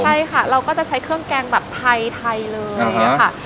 ใช่ค่ะเราก็จะใช้เครื่องแกงแบบไทยเลยค่ะ